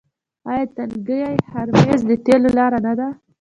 آیا تنګی هرمز د تیلو لاره نه ده؟